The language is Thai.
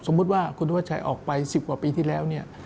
สมมุติว่าคุณธวัชชัยออกไป๑๐กว่าปีที่แล้วเนี่ย